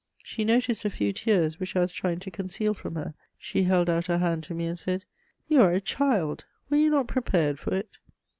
She noticed a few tears which I was trying to conceal from her; she held out her hand to me, and said: "You are a child; were you not prepared for it?"